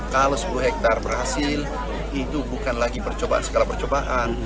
kalau sepuluh hektare berhasil itu bukan lagi percobaan skala percobaan